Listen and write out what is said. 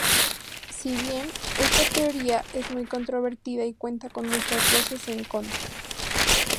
Si bien, esta teoría es muy controvertida y cuenta con muchas voces en contra.